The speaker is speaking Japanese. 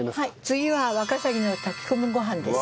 次はワカサギの炊き込みご飯です。